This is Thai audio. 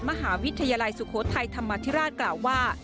มหาวิทยาลัยสุโขทัยธรรมธิราชกล่าวว่า